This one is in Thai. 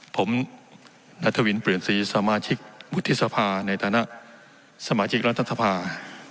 ผมนัทวินเปลี่ยนสีสมาชิกวุฒิสภาในฐานะสมาชิกรัฐสภา